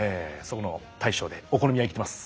そこの大将でお好み焼き焼いてます。